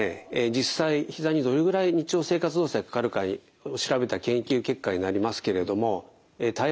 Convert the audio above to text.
実際ひざにどれぐらい日常生活動作でかかるか調べた研究結果になりますけれども平らな道ですね